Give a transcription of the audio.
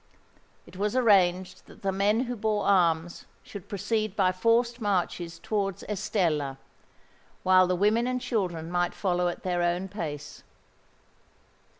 It was arranged that the men who bore arms should proceed by forced marches towards Estella; while the women and children might follow at their own pace.